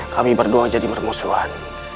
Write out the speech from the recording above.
kami berdua menjadi permusuhan